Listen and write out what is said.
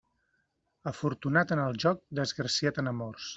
Afortunat en el joc, desgraciat en amors.